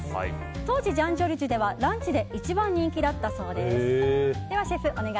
当時ジャン・ジョルジュではランチで一番人気だったそうです。